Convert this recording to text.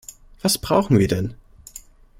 Was brauchen wir denn?